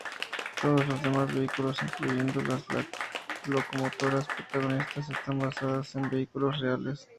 Todos los demás vehículos, incluyendo las locomotoras protagonistas, están basados en vehículos reales.